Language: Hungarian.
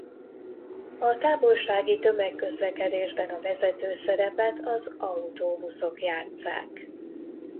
A távolsági tömegközlekedésben a vezető szerepet az autóbuszok játsszák.